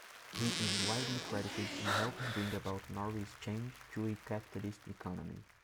He is widely credited in helping bring about Norway's change to a capitalist economy.